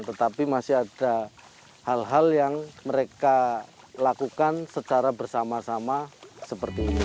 tetapi masih ada hal hal yang mereka lakukan secara bersama sama seperti ini